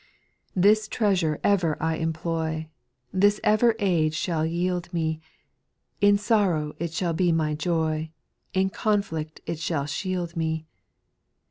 This treasure ever I employ, This ever aid shall yield me, In sorrow it shall be my joy, In conflict it shall shield me.